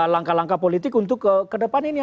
langkah langkah politik untuk ke depan ini